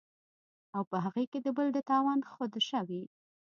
او پۀ هغې کې د بل د تاوان خدشه وي